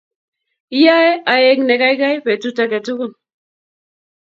Iyaa aek ne kaikai petut age tugul